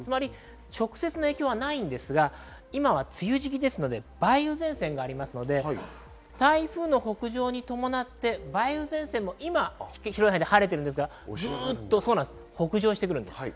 直接の影響はないですが、今は梅雨時期なので、梅雨前線があるので台風北上に伴って梅雨前線も今、広い範囲で晴れていますが、北上してきます。